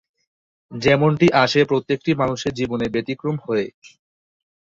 যেমনটি আসে প্রত্যেকটি মানুষের জীবনে ব্যতিক্রম হয়ে।